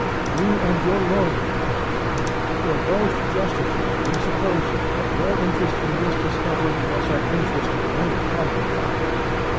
You and your lawyer, Magdalen, were both justified in supposing that your interest in this discovery was an interest of no common kind.